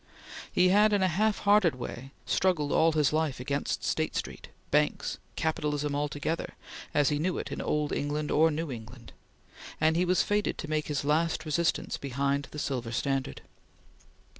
He had, in a half hearted way, struggled all his life against State Street, banks, capitalism altogether, as he knew it in old England or new England, and he was fated to make his last resistance behind the silver standard.